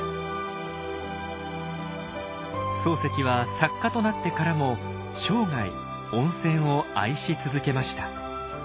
漱石は作家となってからも生涯温泉を愛し続けました。